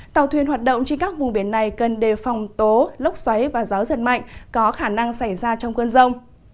tàu thuyền hoạt động trên các vùng biển này cần đề phòng tố lốc xoáy và gió giật mạnh có khả năng xảy ra trong cơn rông